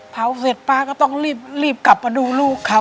เผ่าเสร็จป้าก็ต้องรีบรีบกลับมาดูลูกค่ะ